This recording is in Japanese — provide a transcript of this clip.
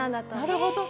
なるほど。